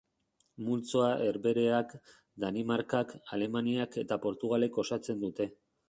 Multzoa Herbehereak, Danimarkak, Alemaniak eta Portugalek osatzen dute.